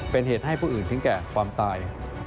เป็นเหตุให้ผู้อื่นถึงแก่ความตาย